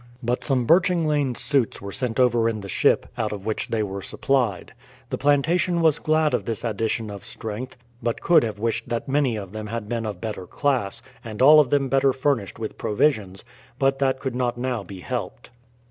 But some burching lane suits were sent over in the ship, out of which they were supplied. The plantation was glad of this addition of strength, but could have wished that many of them had been of better class, and all of them better furnished with provisions ; but that could not now be helped.